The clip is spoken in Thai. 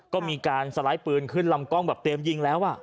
ก็มีการสไลด์ปืนขึ้นลำกล้องแบบเตรียมยิงแล้ว